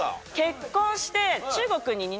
結婚して。